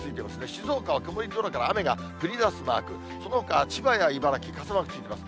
静岡は曇り空から、雨が降りだすマーク、そのほか、千葉や茨城、傘マークついてます。